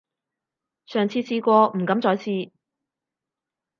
上次試過，唔敢再試